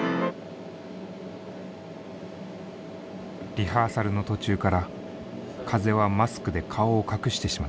リハーサルの途中から風はマスクで顔を隠してしまった。